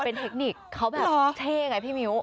เป็นเทคนิคเขาแบบเท่ไงพี่มิ้ว